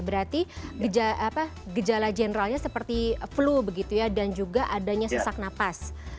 berarti gejala generalnya seperti flu begitu ya dan juga adanya sesak napas